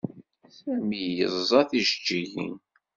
Sami yeẓẓa tijeǧǧigin.